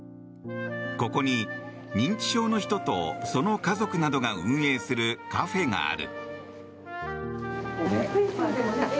ここに認知症の人とその家族などが運営するカフェがある。